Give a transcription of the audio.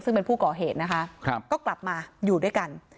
ซึ่งเป็นผู้ก่อเหตุนะคะก็กลับมาอยู่ด้วยกัน